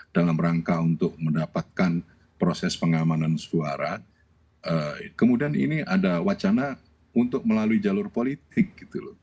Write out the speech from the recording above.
dalam rangka untuk mendapatkan proses pengamanan suara kemudian ini ada wacana untuk melalui jalur politik